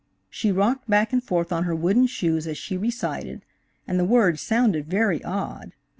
She rocked back and forth on her wooden shoes as she recited, and the words sounded very odd.